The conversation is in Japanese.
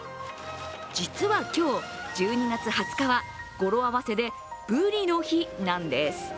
実は今日１２月２０日は語呂合わせでブリの日なんです。